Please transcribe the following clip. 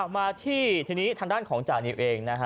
มาที่ทางด้านของจานีบเองนะฮะ